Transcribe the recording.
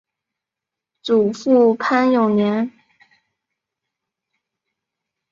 祖父潘永年。